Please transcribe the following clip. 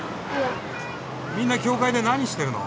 みんな教会で何してるの？